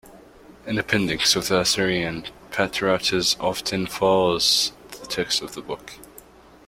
An appendix of the Assyrian patriarchs often follows the text of the book.